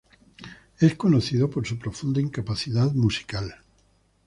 Es conocido por su profunda incapacidad musical.